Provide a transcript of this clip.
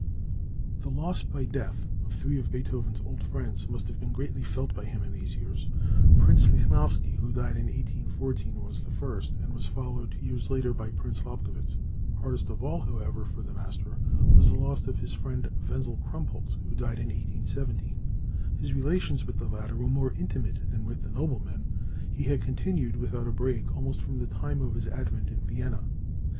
The loss by death of three of Beethoven's old friends must have been greatly felt by him in these years. Prince Lichnowsky, who died in 1814, was the first, and was followed two years later by Prince Lobkowitz. Hardest of all, however, for the master was the loss of his friend, Wenzel Krumpholz, who died in 1817. His relations with the latter were more intimate than with the noblemen, and had continued without a break almost from the time of his advent in Vienna.